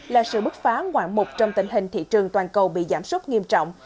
là sự bức phá ngoạn mục trong tình hình thị trường toàn cầu bị giảm súc nghiêm trọng